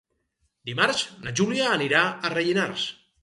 Dimarts na Júlia anirà a Rellinars.